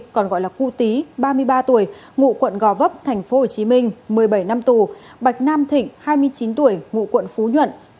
còn gọi là cụ tý ba mươi ba tuổi ngụ quận gò vấp tp hcm một mươi bảy năm tù bạch nam thịnh hai mươi chín tuổi ngụ quận phú nhuận